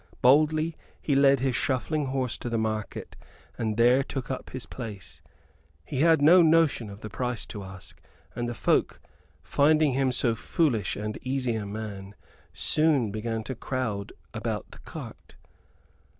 Boldly he led his shuffling horse to the market and there took up his place. He had no notion of the price to ask, and the folk, finding him so foolish and easy a man, soon began to crowd about the cart.